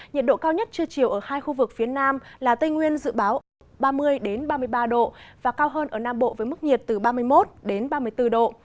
nhiệt độ cao nhất trưa chiều ở hai khu vực phía nam là tây nguyên dự báo ba mươi ba mươi ba độ và cao hơn ở nam bộ với mức nhiệt từ ba mươi một ba mươi bốn độ